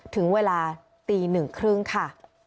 ถึงเวลาตี๑ครึ่งค่ะ